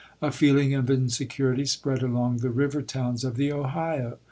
A feeling of insecurity spread along the river towns of the Ohio.